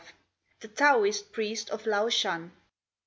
V. THE TAOIST PRIEST OF LAO SHAN.